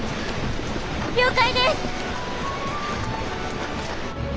了解です！